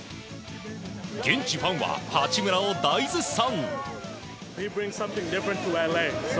現地ファンは八村を大絶賛。